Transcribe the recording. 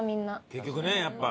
結局ねやっぱ。